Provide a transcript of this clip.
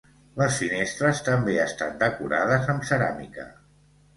Les finestres també estan decorades amb ceràmica.